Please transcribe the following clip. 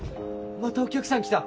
またお客さん来た。